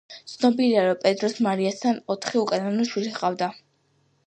ცნობილია, რომ პედროს მარიასთან ოთხი უკანონო შვილი ჰყავდა.